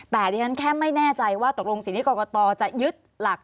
แต่ดิฉันแค่ไม่แน่ใจว่าตกลงสิ่งที่กรกตจะยึดหลัก